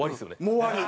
もう終わり。